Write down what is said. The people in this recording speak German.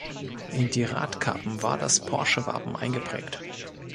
In die Radkappen war das Porsche-Wappen eingeprägt.